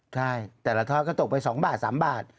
ใช่แต่ละทอดก็ตกไป๒บาท๓บาท